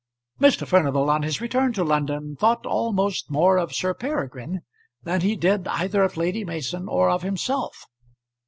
Mr. Furnival on his return to London thought almost more of Sir Peregrine than he did either of Lady Mason or of himself.